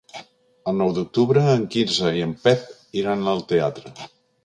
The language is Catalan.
El nou d'octubre en Quirze i en Pep iran al teatre.